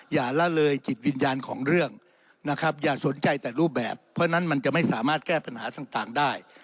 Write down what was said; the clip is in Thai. อย่าละเลยจิตวิญญาณของเรื่องนะครับอย่าสนใจแต่รูปแบบเพราะฉะนั้นมันจะไม่สามารถแก้ปัญหาต่างได้